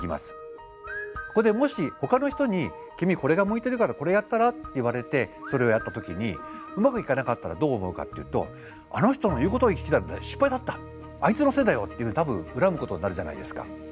ここでもしほかの人に「君これが向いてるからこれやったら？」って言われてそれをやった時にうまくいかなかったらどう思うかっていうとあの人の言うことを聞いたから失敗だったあいつのせいだよっていうふうに多分恨むことになるじゃないですか。